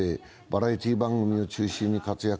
バラエティー番組を中心に活躍。